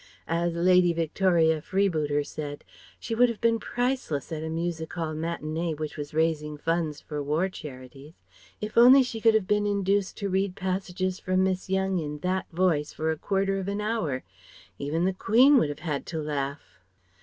As Lady Victoria Freebooter said, she would have been priceless at a music hall matinée which was raising funds for war charities, if only she could have been induced to read passages from Miss Yonge in that voice for a quarter of an hour. Even the Queen would have had to laugh.